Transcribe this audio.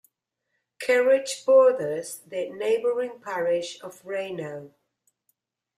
Kerridge borders the neighbouring parish of Rainow.